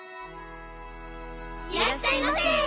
いらっしゃいませ！